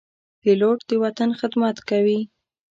پیلوټ د وطن خدمت کوي.